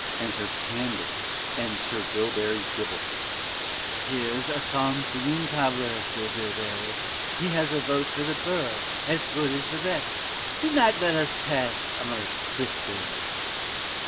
Enter PANDER and SIR BILBERRY DIBBLE. Pand. Here's a psalm singing cobbler, Sir Bilberry; he has a vote for the borough, as good as the best; do not let us pass honest Crispin.